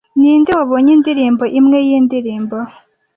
Ninde wabonye indirimbo imwe yindirimbo